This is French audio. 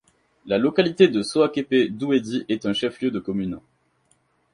La localité de Soaékpé-Douédy est un chef-lieu de commune.